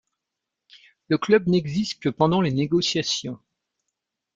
Le club n'existe que pendant les négociations.